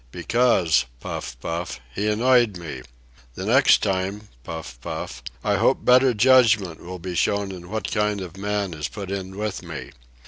"Because"—puff, puff—"he annoyed me. The next time"—puff, puff—"I hope better judgment will be shown in what kind of a man is put in with me.